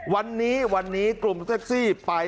วันนี้กลุ่มตอลอร์ซี่